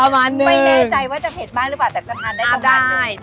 ไม่แน่ใจว่าจะเผ็ดมากหรือเปล่าแต่จะทานได้ที่บ้าน